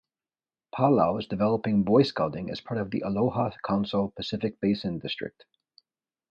Palau is developing Boy Scouting as part of the Aloha Council Pacific Basin District.